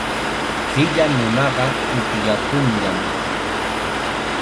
Qilla nunaqa upyakunllam.